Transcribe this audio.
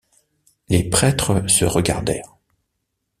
Les prêtres se regardèrent.